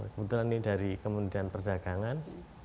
kebetulan ini dari kementerian perdagangan